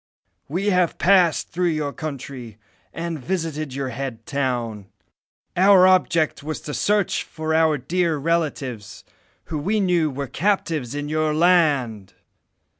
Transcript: We have passed through your country, and visited your head town. Our object was to search for our dear relatives, who we knew were captives in your land.